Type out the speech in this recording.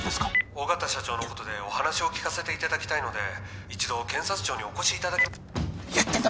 緒方社長のことでお話を聞かせていただきたいので一度検察庁にお越しいただけ何やってんだ！